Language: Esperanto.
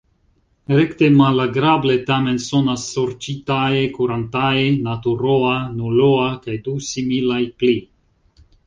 Rekte malagrable tamen sonas: sorĉitae, kurantae, naturoa, nuloa kaj du similaj pli.